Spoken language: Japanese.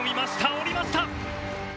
降りました！